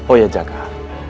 oh ya canggah